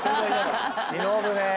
忍ぶね。